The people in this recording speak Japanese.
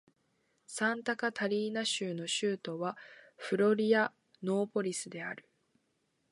サンタカタリーナ州の州都はフロリアノーポリスである